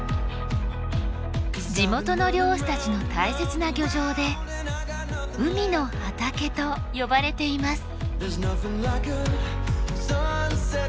地元の漁師たちの大切な漁場で海の畑と呼ばれています。